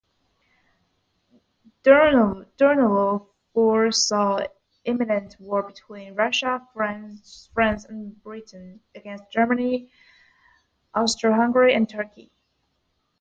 Durnovo foresaw imminent war between Russia, France and Britain against Germany, Austro-Hungary and Turkey.